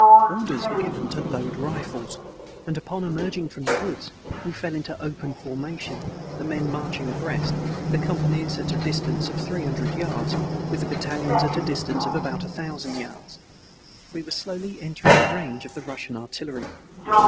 Orders were given to load rifles, and upon emerging from the woods we fell into open formation, the men marching abreast, the companies at a distance of three hundred yards, with the battalions at a distance of about a thousand yards. We were slowly entering the range of the Russian artillery.